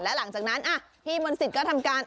และหลังจากนั้นพี่มนต์สิทธิ์ก็ทำการ